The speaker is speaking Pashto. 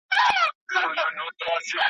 له لمني یې د وینو زڼي پاڅي ,